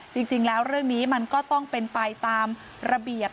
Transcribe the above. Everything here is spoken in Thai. จริงแล้วเรื่องนี้มันก็ต้องเป็นไปตามระเบียบ